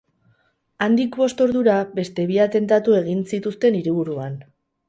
Handik bost ordura, beste bi atentatu egin zituzten hiriburuan.